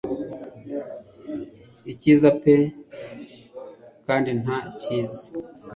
Icyiza pe kandi nta cyiza: